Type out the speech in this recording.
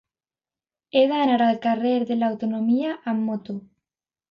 He d'anar al carrer de l'Autonomia amb moto.